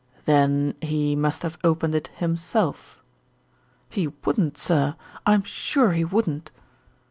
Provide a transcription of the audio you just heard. "Then he must have opened it himself?" "He wouldn't, sir. I'm sure he wouldn't."